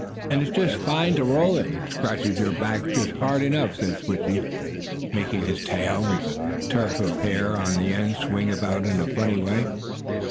"And it's just fine to roll in. It scratches your back just hard enough," said Switchie, making his tail, with the tuft of hair on the end, swing about in a funny way.